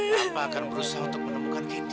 mama akan berusaha untuk menemukan candy